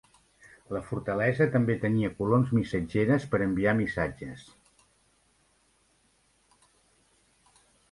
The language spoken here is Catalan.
La fortalesa també tenia coloms missatgeres per enviar missatges.